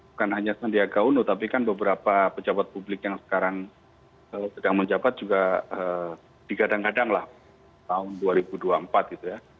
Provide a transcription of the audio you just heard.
bukan hanya sandiaga uno tapi kan beberapa pejabat publik yang sekarang sedang menjabat juga digadang gadang lah tahun dua ribu dua puluh empat gitu ya